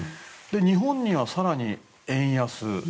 日本には更に円安。